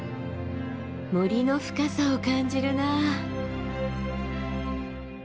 森の深さを感じるなあ。